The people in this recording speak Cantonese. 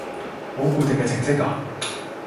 冇固定嘅程式㗎